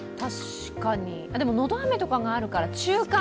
でも、のどあめとかがあるから中間？